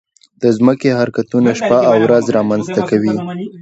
د ځمکې حرکتونه شپه او ورځ رامنځته کوي.